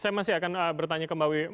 saya masih akan bertanya ke mba wi